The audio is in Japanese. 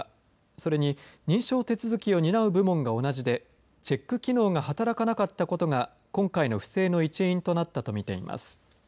それに認証手続きを担う部門が同じでチェック機能が働かなかったことが今回の不正の一因となったと見ています。